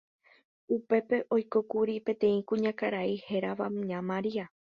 Upépe oikókuri peteĩ kuñakarai hérava ña María.